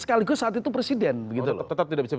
sekaligus saat itu presiden tetap tidak bisa